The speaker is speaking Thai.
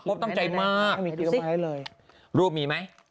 พี่สิลูกมีมั้ย